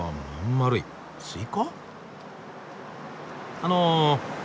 あの。